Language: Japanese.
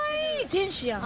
・天使やん。